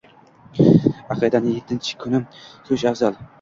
Aqiqani yettinchi kuni so‘yish afzal.